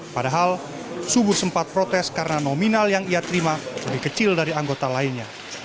padahal subuh sempat protes karena nominal yang ia terima lebih kecil dari anggota lainnya